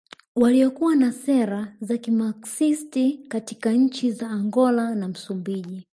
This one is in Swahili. Waliokuwa na sera za kimaxist katika nchi za Angola na Msumbiji